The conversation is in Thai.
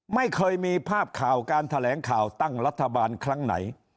ไม่เคยมีภาพข่าวการแถลงข่าวตั้งรัฐบาลครั้งไหน